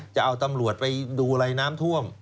จะเอาตำรวจไปดูอะไรน้ำท่วม